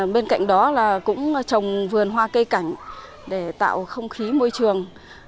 bên cạnh đó là cũng trồng vườn hoa cây cảnh để tạo không khí môi trường